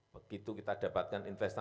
begitu kita dapatkan investasi